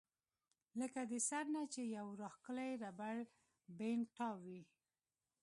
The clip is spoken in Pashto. لکه د سر نه چې يو راښکلی ربر بېنډ تاو وي